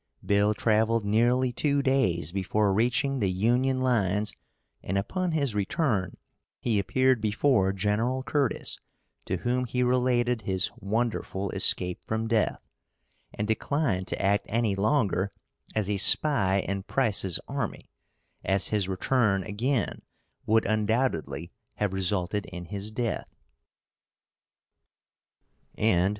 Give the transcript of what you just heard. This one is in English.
Bill traveled nearly two days before reaching the Union lines, and upon his return he appeared before General Curtis, to whom he related his wonderful escape from death, and declined to act any longer as a spy in Price's army, as his return again would, undoubtedly, have resulted in his death.